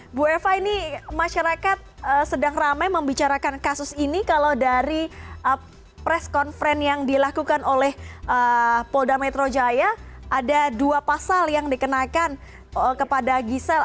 ibu eva ini masyarakat sedang ramai membicarakan kasus ini kalau dari press conference yang dilakukan oleh polda metro jaya ada dua pasal yang dikenakan kepada gisela